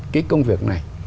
cái công việc này